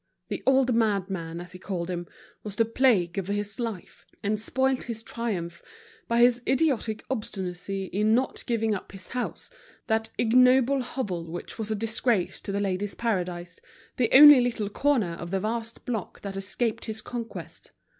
The old madman, as he called him, was the plague of his life, and spoilt his triumph by his idiotic obstinacy in not giving up his house, that ignoble hovel which was a disgrace to The Ladies' Paradise, the only little corner of the vast block that escaped his conquest.